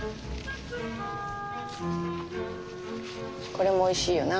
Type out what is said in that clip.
これもおいしいよな。